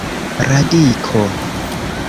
radiko